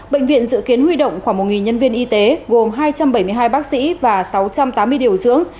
bệnh viện dự kiến huy động khoảng một nhân viên y tế gồm hai trăm bảy mươi hai bác sĩ và sáu trăm tám mươi điều dưỡng